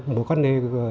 một vấn đề